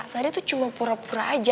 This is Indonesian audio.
sadar tuh cuma pura pura aja